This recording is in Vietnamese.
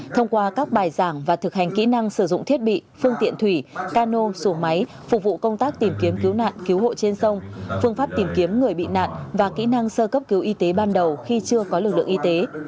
thông qua các bài giảng và thực hành kỹ năng sử dụng thiết bị phương tiện thủy cano xuồng máy phục vụ công tác tìm kiếm cứu nạn cứu hộ trên sông phương pháp tìm kiếm người bị nạn và kỹ năng sơ cấp cứu y tế ban đầu khi chưa có lực lượng y tế